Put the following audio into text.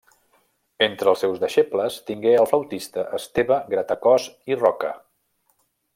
Entre els seus deixebles tingué el flautista Esteve Gratacòs i Roca.